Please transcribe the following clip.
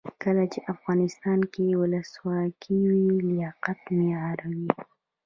کله چې افغانستان کې ولسواکي وي لیاقت معیار وي.